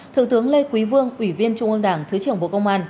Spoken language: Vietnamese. thượng tướng lê quý vương ủy viên trung ương đảng thứ trưởng bộ công an